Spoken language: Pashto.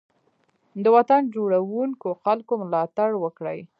د وطن جوړونکو خلګو ملاتړ وکړئ.